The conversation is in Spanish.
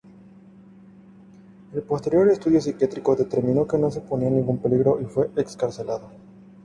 El posterior estudio psiquiátrico determinó que no suponía ningún peligro y fue excarcelado.